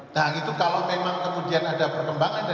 kalau kemudian dari pengelejahan kpk ada sesuatu yang lain pak